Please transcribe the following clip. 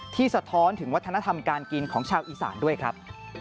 สะท้อนถึงวัฒนธรรมการกินของชาวอีสานด้วยครับ